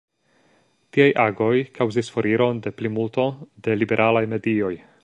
Tiaj agoj kaŭzis foriron de plimulto da liberalaj medioj.